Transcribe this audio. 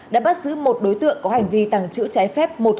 đã bắt giữ một đối tượng có hành vi tặng chữ trái phép